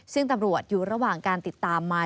ซึ่งตำรวจอยู่ระหว่างการติดตามมา